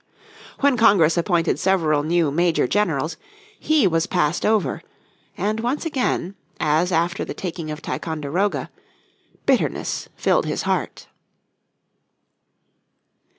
When Congress appointed several new Major Generals he was passed over, and once again, as after the taking of Ticonderoga, bitterness filled his heart.